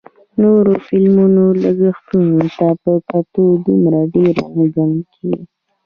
نورو فلمونو لګښتونو ته په کتو دومره ډېر نه ګڼل کېږي